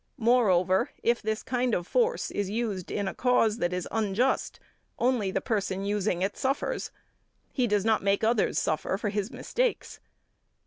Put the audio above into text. Moreover, if this kind of force is used in a cause that is unjust only the person using it suffers. He does not make others suffer for his mistakes.